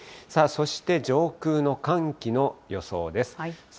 そして上空の寒気の予想です。